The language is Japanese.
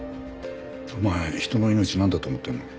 お前人の命なんだと思ってるの？